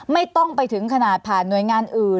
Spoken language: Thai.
ไม่ต้องไปถึงขนาดผ่านหน่วยงานอื่น